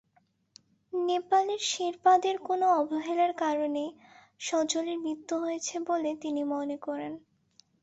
নেপালের শেরপাদের কোনো অবহেলার কারণেই সজলের মৃত্যু হয়েছে বলে তিনি মনে করেন।